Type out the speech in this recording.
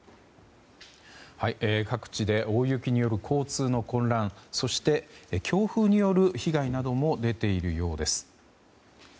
各地で大雪による交通の混乱そして、強風による被害なども出ているようです。